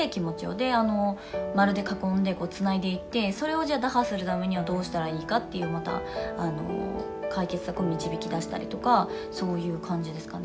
で、丸で囲んで、つないでいって、それをじゃあ打破するためにはどうしたらいいかっていう、また解決策を導き出したりとか、そういう感じですかね。